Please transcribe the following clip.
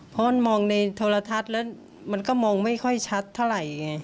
เพราะมันมองในโทรทัศน์แล้วมันก็มองไม่ค่อยชัดเท่าไหร่ไง